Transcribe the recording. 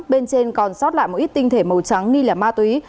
bên trên còn sót lại một ít tinh thể màu trắng nghi là ma túy